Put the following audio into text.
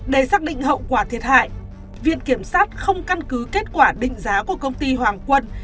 để xác định hậu quả thiệt hại viện kiểm sát không căn cứ kết quả định giá của công ty hoàng quân